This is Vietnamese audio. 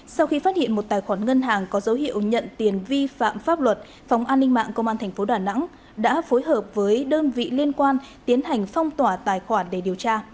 sau khi phát hiện một tài khoản ngân hàng có dấu hiệu nhận tiền vi phạm pháp luật phóng an ninh mạng công an tp đà nẵng đã phối hợp với đơn vị liên quan tiến hành phong tỏa tài khoản để điều tra